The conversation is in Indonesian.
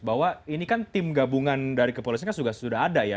bahwa ini kan tim gabungan dari kepolisian kan sudah ada ya